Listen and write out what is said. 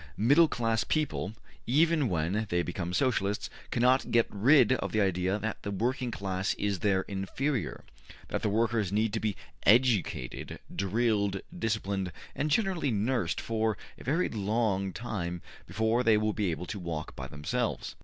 Middle class people, even when they become Socialists, cannot get rid of the idea that the working class is their `inferior'; that the workers need to be `educated,' drilled, disciplined, and generally nursed for a very long time before they will be able to walk by themselves.